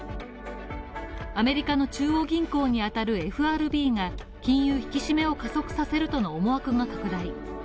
アメリカの中央銀行に当たるＦＲＢが金融引き締めを加速させるとの思惑が拡大。